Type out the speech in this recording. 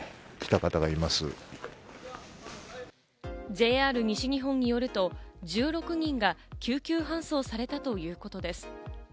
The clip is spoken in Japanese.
ＪＲ西日本によると１６人が救急搬送されたということです。